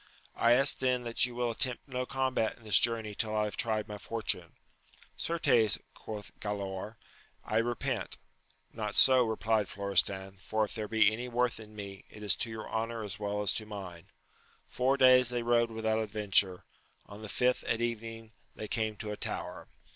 — I ask then, that you will attempt no combat in this journey till I have tried my fortune. Certes, quoth Galaor, I repent. Not so, replied Florestan, for if there be any worth in me, it is to your honour as well as to mine. Four days they rode without adventure ; on the fifth at evening they came to a tower.